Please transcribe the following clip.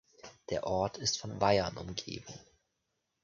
Der Ort ist von Weihern umgeben.